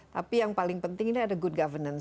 tapi yang paling penting ini ada good governance